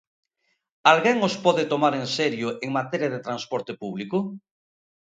¿Alguén os pode tomar en serio en materia de transporte público?